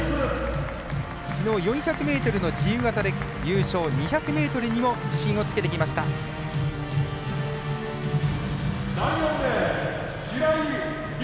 きのう４００ｍの自由形で優勝、２００ｍにも自信をつけてきました、難波。